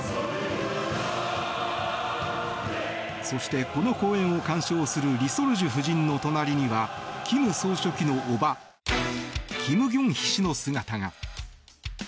そして、この公演を鑑賞するリ・ソルジュ夫人の隣には金総書記の叔母キム・ギョンヒ氏の姿が。